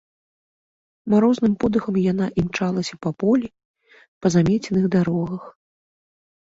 Марозным подыхам яна імчалася па полі, па замеценых дарогах.